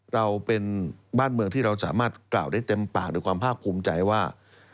เราเป็นบ้านเมืองที่เราสามารถกล่าวได้เต็มปากด้วยความภาคภูมิใจว่า